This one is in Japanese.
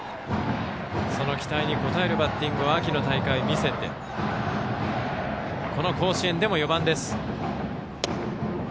その期待に応えるバッティングを秋の大会に見せてこの甲子園でも４番です。